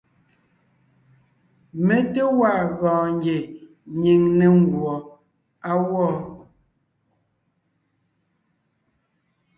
Mé té gwaa gɔɔn ngie nyìŋ ne nguɔ á gwɔ.